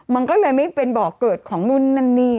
มันก็เลยไม่เป็นบ่อเกิดของนู่นนั่นนี่